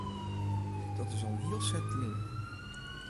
Dat is al in hiel set lyn.